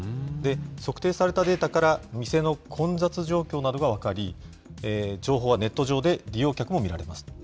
測定されたデータから、店の混雑状況などが分かり、情報はネット上で利用客も見られます。